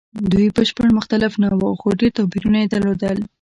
دوی بشپړ مختلف نه وو؛ خو ډېر توپیرونه یې درلودل.